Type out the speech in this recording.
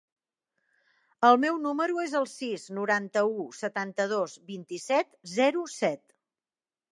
El meu número es el sis, noranta-u, setanta-dos, vint-i-set, zero, set.